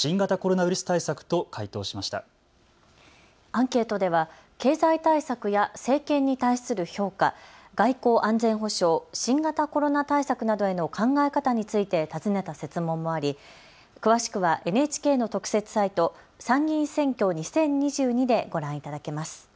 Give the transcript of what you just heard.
アンケートでは経済対策や政権に対する評価、外交・安全保障、新型コロナ対策などへの考え方について尋ねた設問もあり詳しくはＮＨＫの特設サイト、参議院選挙２０２２でご覧いただけます。